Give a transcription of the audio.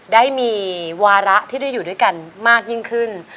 ได้มีวาระที่ได้อยู่ด้วยกันมากยิ่งขึ้น